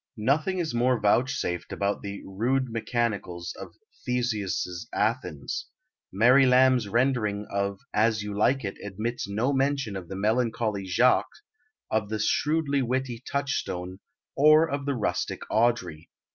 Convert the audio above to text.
Nothing more is vouchsafed about the "rude mechanicals" of Theseus's Athens. Mary Lamb's rendering of As You Like It admits no mention of the melancholy Jaques, of the shrewdly witty Touchstone, or of the rustic Audrey.